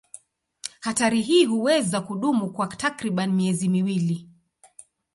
Hatari hii huweza kudumu kwa takriban miezi miwili.